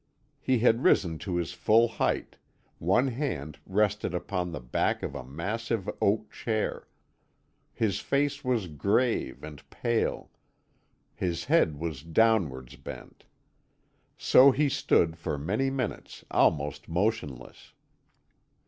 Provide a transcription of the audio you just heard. He had risen to his full height; one hand rested upon the back of a massive oak chair: his face was grave and pale; his head was downwards bent. So he stood for many minutes almost motionless.